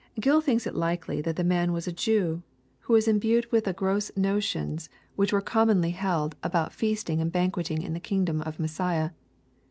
Gill thinks it likely that the man was a Jew, who was imbue«l 164 EXPOSITORY THOUGHTS. wilh tLe gross notions which were commonly held about feasting and banqueting in the kingdom of Messiah.